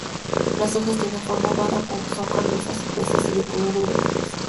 Las hojas tienen forma ovada, son carnosas y gruesas y de color verde pálido.